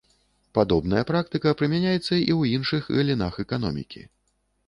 Падобная практыка прымяняецца і ў іншых галінах эканомікі.